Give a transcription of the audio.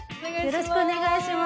よろしくお願いします。